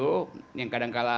yang kadang kadang perlu dipercaya